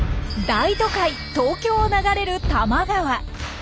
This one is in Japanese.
大都会東京を流れる多摩川。